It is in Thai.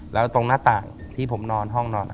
แล้วตรงหน้าต่างที่ผมนอนห้องนอน